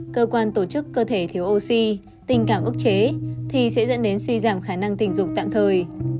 cơ quan tổ chức cơ thể thiếu oxy tình cảm ức chế thì sẽ dẫn đến suy giảm khả năng tình dục tạm thời